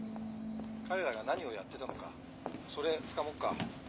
彼らが何をやってたのかそれつかもっか。